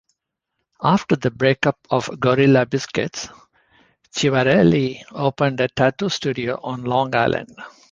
After the break-up of Gorilla Biscuits, Civarelli opened a tattoo studio on Long Island.